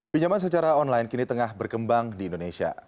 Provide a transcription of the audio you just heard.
pinjaman secara online kini tengah berkembang di indonesia